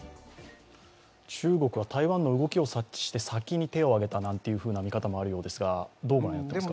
中国は台湾の動きを察知して、先に手をあげたなんていう見方もあるようですが、どう御覧になりますか？